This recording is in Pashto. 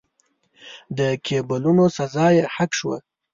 د کېبولونو سزا یې حق شوه.